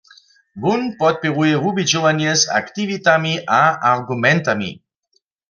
Wón podpěruje wubědźowanje z aktiwitami a argumentami.